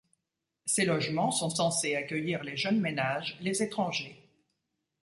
Ces logements sont censés accueillir les jeunes ménages, les étrangers.